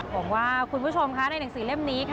ผมว่าคุณผู้ชมค่ะในหนังสือเล่มนี้ค่ะ